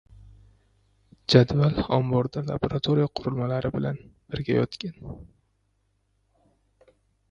Jadval omborda laboratoriya qurilmalari bilan birga yotgan.